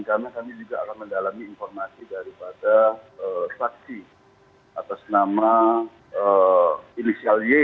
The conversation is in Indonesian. karena kami juga akan mendalami informasi daripada saksi atas nama inisial y ya